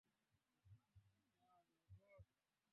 jeshi na dola vikaporomoka kabisa Milki ikagawiwa na